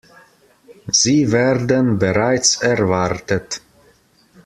Sie werden bereits erwartet.